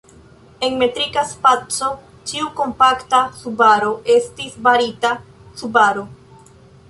En metrika spaco, ĉiu kompakta subaro estas barita subaro.